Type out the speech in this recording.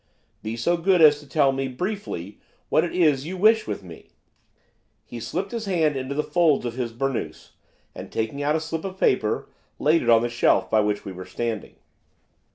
'Be so good as to tell me, briefly, what it is you wish with me.' He slipped his hand into the folds of his burnoose, and, taking out a slip of paper, laid it on the shelf by which we were standing.